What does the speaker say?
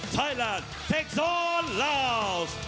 ไทยแลนด์แท็กซ์ออนลาวส